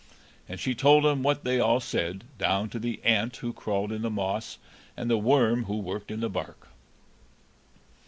And she told him what they all said, down to the ant who crawled in the moss, and the worm who worked in the bark.